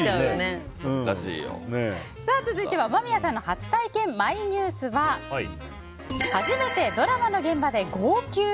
続いては間宮さんの初体験マイニュースは初めてドラマの現場で号泣！